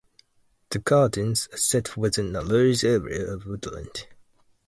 The gardens are set within a large area of woodland.